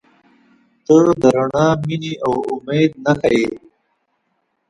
• ته د رڼا، مینې، او امید نښه یې.